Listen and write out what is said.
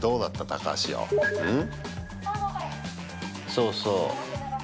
そうそう。